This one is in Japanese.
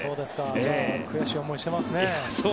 じゃあ悔しい思いをしていますね。